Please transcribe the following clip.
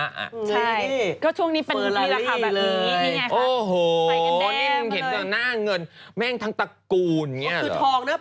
ใช่ก็ช่วงนี้มีราคาแบบนี้นี่ไงครับ